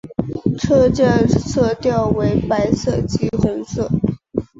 车站色调为白色及红色。